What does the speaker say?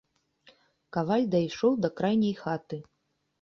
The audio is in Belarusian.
Каваль дайшоў да крайняй хаты.